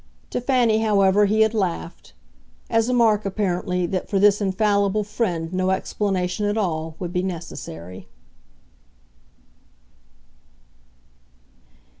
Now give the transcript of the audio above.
To Fanny, however, he had laughed as a mark, apparently, that for this infallible friend no explanation at all would be necessary.